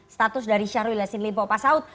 status dari syarwila sinlimpo pasaut